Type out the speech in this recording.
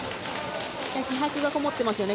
気迫がこもってますね。